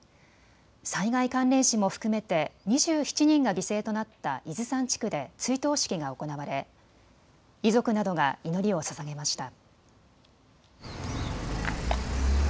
災害関連死も含めて２７人が犠牲となった伊豆山地区で追悼式が行われ遺族などが祈りをささげました。